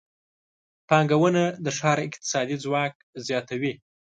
پانګونه د ښار اقتصادي ځواک زیاتوي.